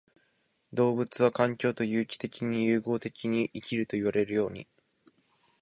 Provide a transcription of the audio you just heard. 動物は環境と有機的に融合的に生きるといわれるように、